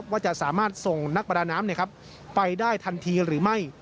ว่าจะสามารถส่งนักประดาน้ำไปได้ทันทีหรือไม่